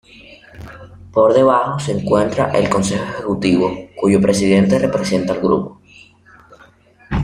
Por debajo se encuentra el Consejo Ejecutivo, cuyo presidente representa al grupo.